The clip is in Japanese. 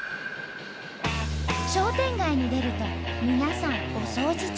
商店街に出ると皆さんお掃除中。